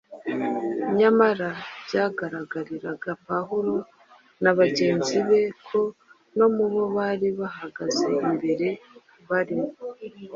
Nyamara byagaragariraga Pawulo na bagenzi be ko no mu bo bari bahagaze imbere harimo